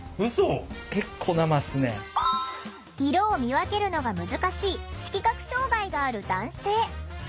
色を見分けるのが難しい色覚障害がある男性。